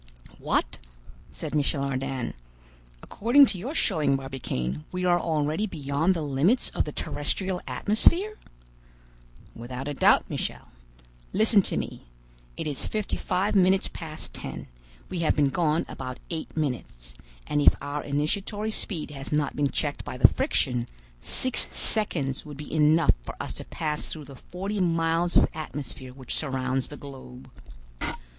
"What!" said Michel Ardan. "According to your showing, Barbicane, we are already beyond the limits of the terrestrial atmosphere?" "Without a doubt, Michel. Listen to me. It is fifty five minutes past ten; we have been gone about eight minutes; and if our initiatory speed has not been checked by the friction, six seconds would be enough for us to pass through the forty miles of atmosphere which surrounds the globe."